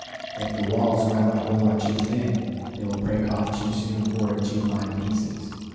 If the walls around the hole are too thin, they will break off too soon, or in too fine pieces.